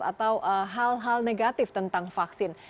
atau hal hal negatif tentang vaksin